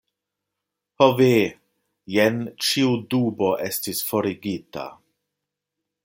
Ho ve, jen ĉiu dubo estis forigita.